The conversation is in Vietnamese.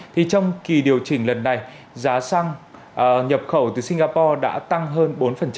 thì trong kỳ điều chỉnh lần này giá xăng nhập khẩu từ singapore đã tăng hơn bốn